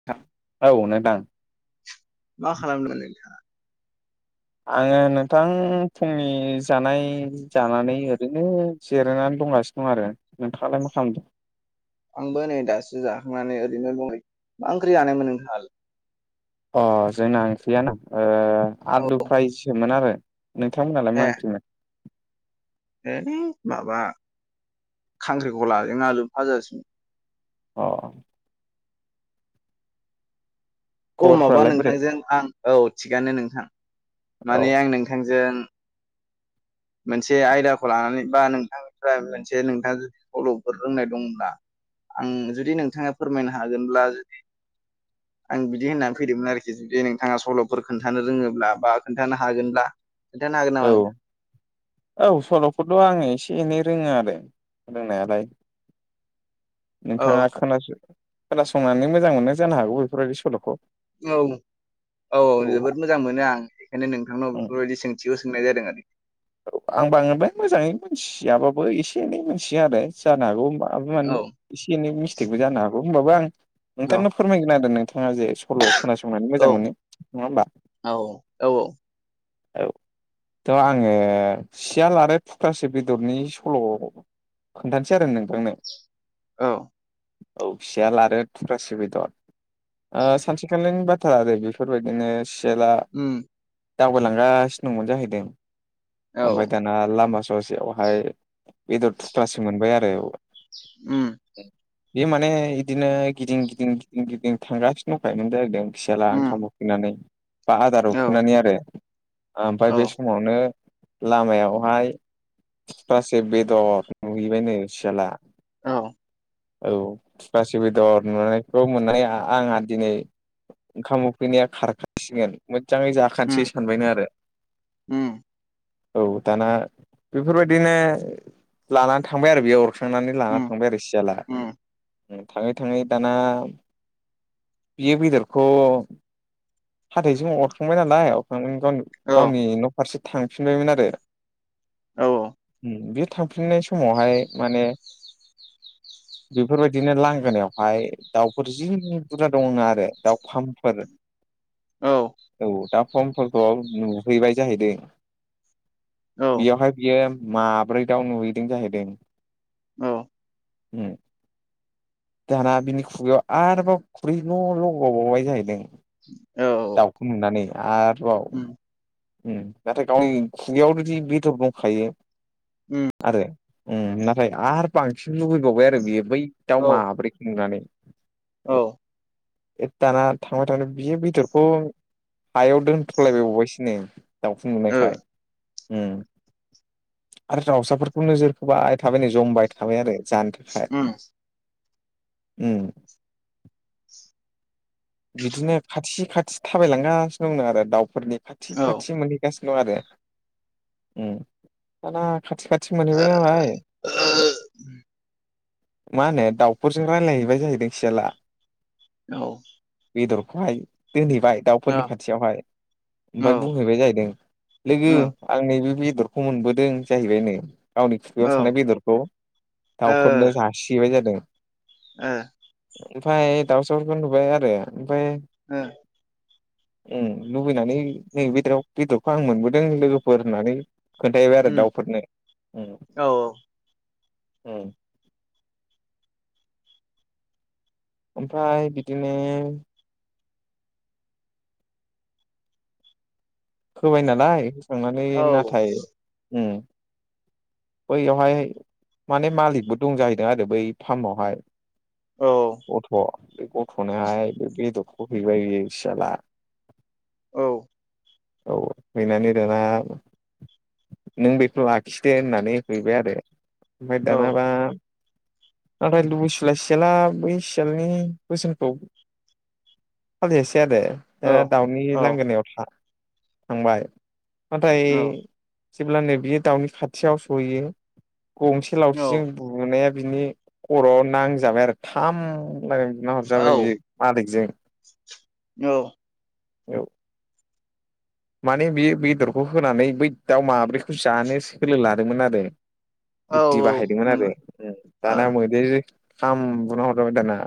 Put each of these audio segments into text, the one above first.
[unintelligible] औ नोंथां मा खालामदोंमोन नोंथांआ आङो नोंथां फुंनि जानाय जानानै ओरैनो जिरायनानै दंगासिनो दं आरो नोंथाङालाय मा खालामदों आंबो नै दासो जाखांनानै ओरैनो दं नै मा ओंख्रि जानाय मोन नोंथांआलाय अ जोंना ओंख्रियाना ओ औ आलु फ्रायसोमोन आरो नोंथांमोनहालाय मा ओंख्रिमोन ऐ माबा खांख्रिखलाजों आलु फाजासोमोन अ औ माबा खबरफ्रालाय बोरै? नोंथांजों आं औ थिगानो नोंथां औ माने आं नोंथांजों मोनसे आयदाखौ लानानै बा नोंथांनिफ्राय मोनसे नोंथाङा जुदि सल'फोर रोंनाय दंब्ला आं जुदि नोंथाङा फोरमायनो हागोनब्ला जुदि आं बिदि होननानै फैदोंमोन आरोखि जुदि नोंथाङा सल'फोर खोन्थानो रोङोब्ला बा खोन्थानो हागोनब्ला खिनथानो हागोन औ नामा नोंथां औ सल'खौथ' आङो एसे एनै रोङो आरो रोंनायालाय औ नोंथाङा खोनासंनानै मोजां मोनो जानो हागौ बेफोरबायदि सल'खौ औ औ जोबोद मोजां मोनो आं बेखायनो नोंथांनाव बेफोरबायदि सों थिखौ सोंनाय जादों आरो औ आं बांद्राय मोजाङै मिथियाबाबो एसे एनै मोनथिया आरो जानो हागौ माबा औ माबि एसे एनै मिस्टेकबो जानो हागौ होमबाबो आं औ नोंथांनो फोरमायगोन आरो नोंथाङा जे सल' खोनासंनानै मोजां मोनो नङा होमबा औ औ औ थ आं आङो सियाल आरो थुख्रासो बेदरनि सल' खोन्थानोासै आरो नोंथांनो औ औ सियाल लारो आरो थुख्रासे बेदर सानसेखालिनि बाथ्रा आरो बेफोरबायदिनो सियाला उम दावबायलांगासिनो दंमोन जाहैदों औ ओमफाय दाना लामा ससेयावहाय बेदर थुथ्लासे मोनबाय आरो औ उम बे माने इदिनो गिदिं गिदिं गिदिं गिदिं थांगासिनो दंखायोमोन जाहैदों सियाला उम ओंखाम उखैनानै बा आदार औ उखैनानै आरो औ ओमफाय बे समावनो लामायावहाय थु्ख्रासे बेदर नुहैबाय नो सियाला औ औ थुख्रासे बेदर नुनायखौ मोननाय आंहा दिनै ओंखाम उखैनाया खारखासिगोन मोजाङै उम जाखानोसै सानबायनो आरो उम औ दाना बेफोरबायदिनो लानानै थांबाय आरो बेयाव थुखांनानै लाना उम थांबाय आरो सियाला उम थाङै थाङै दाना बियो बेदरखौ हाथाइजों अरखांबाय नालाय अरखांनायनि गावनि औ गावनि न' फारसे थांफिनबायमोन आरो औ औ बे थांफिननाय समावहाय माने [inaudible] बेफोरबायदिनो लांगोनायावहाय दाउफोर जि बुरजा दङ आरो दाउ फाम्पफोर औ औ दा फार्मफोरखौ नुहैबाय जाहैदों औ बेयावहाय बियो माब्रै दाउ नुहैदों जाहैदों औ। ओम। दाना बिनि खुगायाव आरोबाव खुरै न' लगावबावबाय जाहैदों। औ। खौ नुनानै आरोबाव उम नाथाय गावनि खुगायाव जुदि बिदर दंखायो उम आरो नाथाय आरो बांसिन लुबैबावबाय आरो बेयो बै दाव औ माब्रै खुंनानै। औ। दाना थांबाय थांबाय बि बेदरखौ हायाव दोनथ'लायबायबावबायसोनो। दावफुं ओ नुनायखाय उ आरो दाउसाफोरखौ नोजोर फोबाय थाबायनो जमबाय थाबाय आरो जानो थं उम ओम बिदिनो खाथि खाथि थाबायलांगासिनो दं नो आरो दाउफोरनि खाथि औ खाथि मानि गासिनो दं आरो दाना खाथि खाथि मोनहैबाय नालाय। मा होनो दाउफोरजों रायज्लायहैबाय जाहैदों खियाला। औ। बेदरखौहाय दोनहैबाय औ दाउफोरनि ओ खाथियावहाय ओमफ्राय ओ बुंहैबाय जाहैदों ओ लोगो उम आं नैबे बेदरखौ मोनबोदों जाहैबाय नो। गावनि खुगायाव औ औ थानाय बेदरखौ दाउफोरनो जासिबाय जादों ओ। ओमफ्राय दाउसाफोरखौ नुबाय आरो, ओमफ्राय ओ। ओम लुबैनानै नै बेदराव बेदरखौ आं मोनबोदों लोगोफोर होननानै खोन्थायबाय आरो दाउफोरनो। ओमफ्राय बिदिनो होबाय नालाय होखांनानै नाथाय उम बैयावहाय माने मालिकबो दं जाहैदों आरो बै फार्मावहाय। औ। गथ' बे गथ'नोहाय बे बेदरखौ हैबाय बे सियाला। औ। औ हैैनानै दाना नों बेखौ लाखिदो होननानै हैैबाय आरो। ओमफ्राय औ दानाबा नाथाय लुबैसुला सियाला बै सियालनि बोसोनखौ एसे आरो औ ओ दाउनि औ लांगोनायाव था थांबाय नाथाय औ जेब्लानो बियो दाउनि खाथियाव सहैयो। गंसे औ लावथिजों बुनाया बिनि खर'आव नांजाबाय आरो थाम नो। होना हरजाबाय बि मालिकजों। औ। औ। माने बे बेदरखौ होनानै बै दाउ माब्रैखौ जानो सोलो लादोंमोन आरो। औ बुद्धि औ बाहायदोंमोन आरो दाना मैदेरजों थाम बुना हरजाबाय दाना।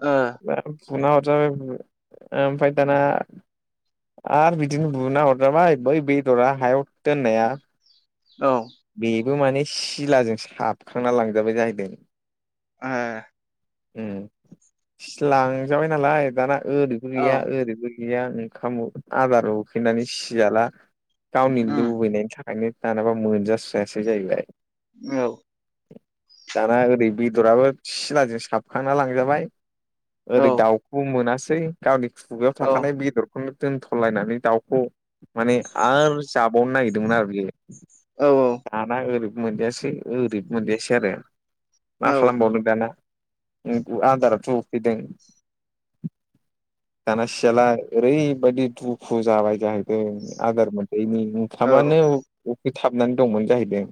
ओ दा फुना हरजाबाय ओमफफ्राय दाना आरो बिद बिदिनो बुना हरजाबाय बै बेदरा हायाव दोननाया। औ। बेबो माने सिलाजों साबखांना लांजाबाय जाहैदों। [unintelligible] ओ फिस लांजाबाय नालाय दाना ओरैबो गैया ओरैबो गैया। गैया ओंखाम उ आदार उखैनानै सियाला गावनि लुबैनायनि थाख आयनो दानाबा मोनजास्रायासो जाहैबाय। औ। दाना ओरै बेदराबो सिलाजों साबखांना लांजाबाय। ओ ओरै दाउखौ मोनासै गावनि खुगायाव ओ थाखानाय बेदरखौनो दोनथ'लायनानै दाउ ख' माने आरो जाबावनो नागिरदोंमोन आरो बेयो औ आना ओरो मोनजायासै ओरै मोनजायासै आरो मा ओ औ उम औ खालामबावनो दाना उम उ आदारथ' उखैदों दाना सियाला ओरैबायदि दुखु जाबाय। जाहैदों आदार मोन [unintelligible] नि औ ओंखामानो उ उखै थाबनानै दंमोन जाहैदों।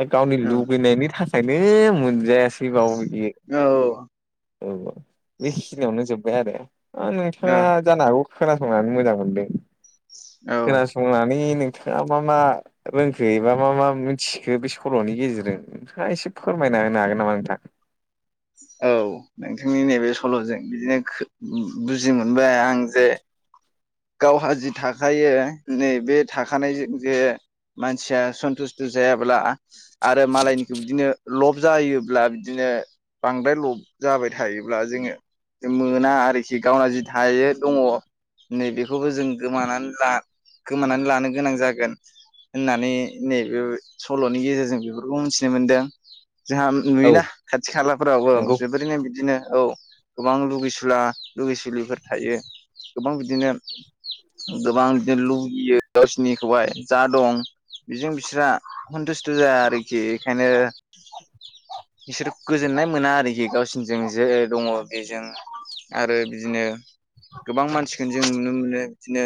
दा गावनि औ उम लुगैनायनि थाखायनो मोनजायासै बाव इयो। औ। औ बेखिनियावनो जोब्बाय आरो आ नोंथाङा जानो हागौ खोनासंनानै मोजां मोनदों ओ औ खोनासंनानै नों थाङा मा मा रोंखो एबा मा मा मिनथिखो बे सल'नि गेजेरजों नोंथाङा एसे फोरमायना होनो हागोन नामा नोंथां? औ नोंथांनि नैबे सल'जों बिदिनो खो बुजि मोनबाय आं जे गावहा जि थाखायो नै बे थाखानायजो जे मानसिया सन्तुस्थ' जायाब्ला आरो मालायनिखौ बिदिनो लब जायोब्ला बिदिनो बांदाय लब जाबाय थायोब्ला जोङो जोम मोना आरोखि गावना जि थायो दङ' नै बेेखौबो जों गोमानानै ला गोमानानै लानो गोनां जागोन। होननानै नैबे सल'नि गेजेरजों बेफोरखौ मिनथिनो मोनदों जोंहाम नंगौ नुयोना खाथि खालाफोरावबो जोबोरैनो बिदिनो औ। गोबां लुगैसुला लुगैसुलिफोर थायो गोबां बिदिनो गोबां [unintelligible] नो लुगैयो गावसिनिखौहाय जा दं बेजों बिस्रा हन्तुस्थ' जाया आरोखि इखायनो इसोर गोजोननाय मोना आरोखि गावसिनिजों जे ओ दङ' इ जों आरो बिदिनो गोबां मानसिखोनो जों नुनो मोनो [unintelligible] दिनो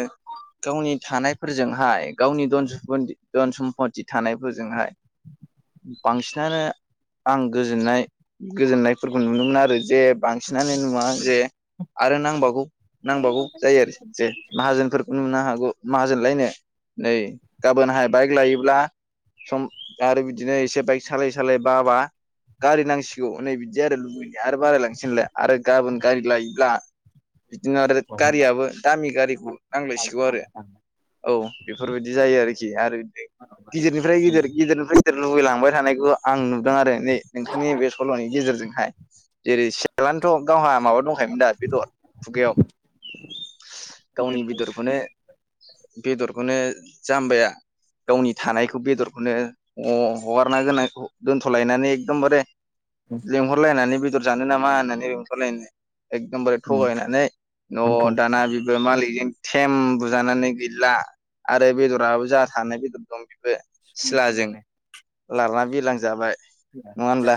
गावनि थानायफोरजोंहाय गावनि दन [unintelligible] सम्पथि थानायफोरजोंहाय बांसिनानो आं गोजोननाय गोजोननायफोरखौ नुनो मोना आरो जे बांसिनानो नुवा जे आरो नांबावगौ नांबावगौ जायो आरोख [unintelligible] जे माहाजोनफोरखौ नुनो हागौ माहाजोन लायनो नै गाबोनहाय बाइक लायोब्ला सम आरो बिदिनो एसे बाइक सालाय सालाय बाबा गारि नांसिगौ नै बिदि आरो लुबैनाय आरो बारायलांसैनलाय आरो गाबोन गारि लायोब्ला बिदिनो आरो गारियाबो दामि गारिखौ नांलायसिगौ आरो। औ बेफोरबायदि जायो आरोखि आरो [unintelligible] गिदिरनिफ्राय इदिर गिदिरनिफ्राय [unintelligible] लुबैलांबाय थानायखौ आं नुदों आरो नै नोंथांनि बे सल'नि गेजेरजोंहाय जेरै से [unintelligible] गावहा माबा दंखायोमोन दा बेदर खुगायाव औ गावनि नंगौ बेदरखौनो बेदरखौनो जामबाया गावनि थानायखौ बेदरखौनो अ हगारना गोनांखौ दोन्थ'लायनानै एकदमबारे लिंहरलायनानै बेदर जानो नामा होननानै लिंहरलायनो एकदमबारे थगायनानै न' औ दाना बेबो मालिकजों थेम बुजानानै गैला आरो बेदराबो जा थानाय बेदर दं बेबो सिलाजों लारना बिरलां जाबाय नङा होमब्ला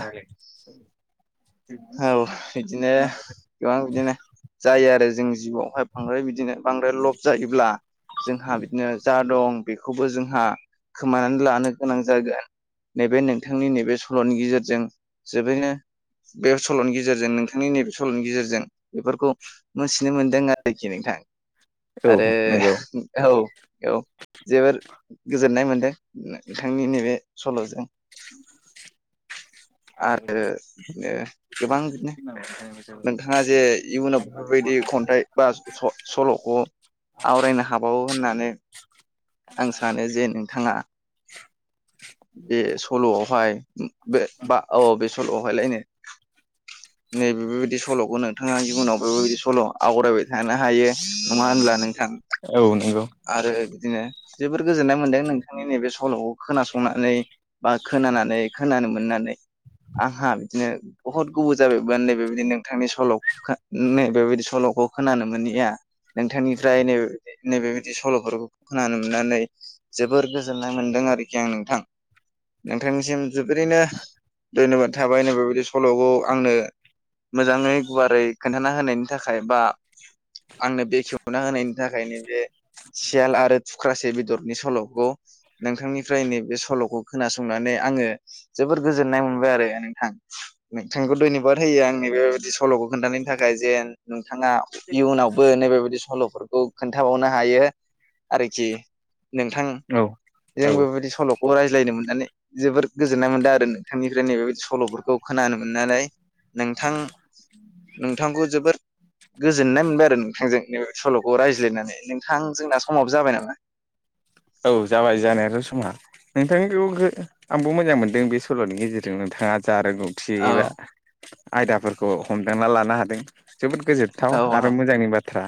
औ बिदिनो गोबां बिदिनो जायो आरो जोंनि जिउआवहाय बांद्राय बिदिनो बांद्राय लब जायोब्ला जोंहा बिदिनो जा दं बेखौबो जोंहा खोमानानै लानो गोनां जागोन। नैबे नोंथांनि नैबे सल'नि गेजेरजों जोबोरैनो बे सल'नि गेजेरजों नोंथांनि नैबे सल'नि गेजेरजों बेफोरखौ मोनथिनो मोनदों आरोखि नोंथां आरो नंगौ औ औ जोबोर गोजोननाय मोनदों नोंथांनि नैबे सल'जों। औ आरो ओ गोबां बिदिनो नोंथाङा जे इयुनाव बेफोरबायदि खन्थाइ बा सल'खौ आवराय बुंनो हाबावो होननानै आं सानो जे नोंथाङा बे सल'आवहाय बे बा औ बे सल'आवहायलायनो नैबे बेबायदि सल'खौ नोंथाङा इयुनाव ओ बेबायदि सल' आवरायबाय थानो हायो नङा होनब्ला नोंथां। औ नंगौ आरो बिदिनो जोबोर गोजोननाय मोन्दों नोंथांनि नैबे सल'खौ खोनासंनानै बा खोनानानै खोनानो मोननानै आंहा बिदिनो बहुत गोबाव जाबायमोन नै बे बिदि नोंथांनि सल' नै बेबायदि सल'खौ खोनानो मोननिया नोंथांनिफ्राय नै नैबेबायदि सल'फोरखौ खोनानो मोननानै जोबोर गोजोननाय मोन्दों आरोखि आं नोंथां। नोंथांनिसिम जोबोरैनो धन्यबाद थाबाय नैबेबायदि सल'खौ आंनो मोजाङै गुवारै खोन्थाना होनायनि थाखाय बा आंनो बेखेवना होनायनि थाखायनो बे सियाल आरो थुख्रासे बेदरनि सल'खौ नोंथांनिफ्राय नैबे सल'खौ खोनासंनानै आङो जोबोद गोजोननाय मोनबाय आरो नोंथां नोंथांखौ धन्यबाद होयो आंनि बेबायदि सल'खौ खोन्थानो नि थाखाय जेन नोंथाङा इयुनावबो नैबेबायदि सल'फोरखौ खोन्थाबावनो हायो आरोखि नोंथां औ जों बेबायदि सल'खौ रायज्लायनो मोननानै जोबोद गोजोननाय मोनदों आरो नोंथांनिफ्राय नैबेबायदि सल'फोरखौ खोनानो मोननानै नोंथां नोंथांखौ जोबोर गोजोननाय मोनबाय आरो नोंथांजों नै बे सल'खौ रायज्लायनानै नोंथां जोंना समाव जाबाय नामा। औ जाबाय जानायाथ' समा। नोंथांनिखौबो आंबो मोजां मोनदों बे सल'नि गेजेरजों नोंथाङा जा रोंगौ थि औ एबा आयदाफोरखौ हमदांना लानो हादों जोबोद गोजोनथाव औ आरो मोजांनि बाथ्रा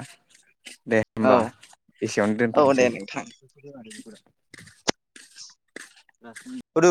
दे औ होमबा एसेयावनो औ दे दोनथ'नोसै। नोंथां